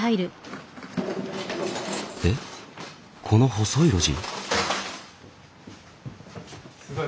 えっこの細い路地？